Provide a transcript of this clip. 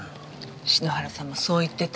篠原さんもそう言ってた。